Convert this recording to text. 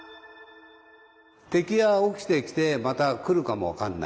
敵が起きてきてまた来るかも分かんない。